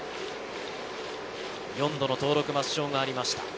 ４度の登録抹消がありました。